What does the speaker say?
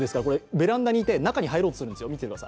ベランダにいて、中に入ろうとするんですよ。